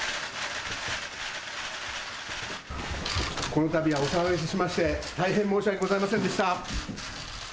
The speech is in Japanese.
このたびはお騒がせしまして、大変申し訳ございませんでした。